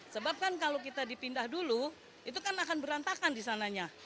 sebab kan kalau kita dipindah dulu itu kan akan berantakan di sananya